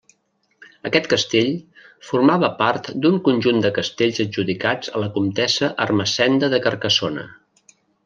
Aquest castell formava part d'un conjunt de castells adjudicats a la comtessa Ermessenda de Carcassona.